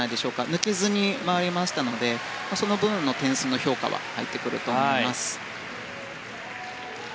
抜けずに回りましたのでその分、点数の評価は入ってくると思います。